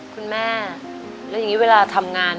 คุณแม่แล้วอย่างนี้เวลาทำงาน